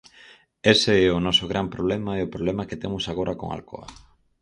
Ese é o noso gran problema e o problema que temos agora con Alcoa.